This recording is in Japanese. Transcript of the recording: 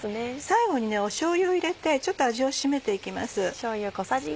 最後にしょうゆを入れてちょっと味を締めて行きます。